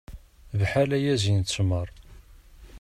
Bḥal ayazi n ttmer.